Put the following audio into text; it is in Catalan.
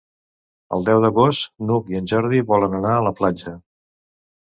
El deu d'agost n'Hug i en Jordi volen anar a la platja.